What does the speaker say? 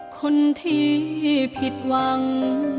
คนที่ผิดหวัง